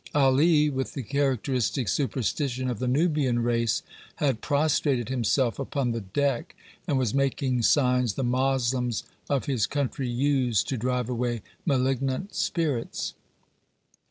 Ali, with the characteristic superstition of the Nubian race, had prostrated himself upon the deck, and was making signs the Moslems of his country use to drive away malignant spirits.